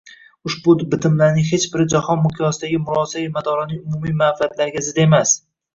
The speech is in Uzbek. Ushbu bitimlarning hech biri jahon miqyosidagi murosai madoraning umumiy manfaatlariga zid emas